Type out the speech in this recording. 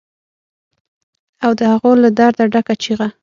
او د هغو له درده ډکه چیغه